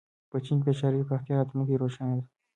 په چین کې د ښاري پراختیا راتلونکې روښانه ده.